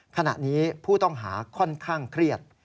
ขณะนี้ผู้ต้องหาค่อนข้างเครียด